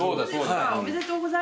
ありがとうございます。